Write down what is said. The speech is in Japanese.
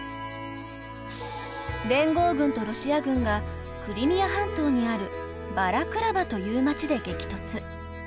連合軍とロシア軍がクリミア半島にあるバラクラバという町で激突。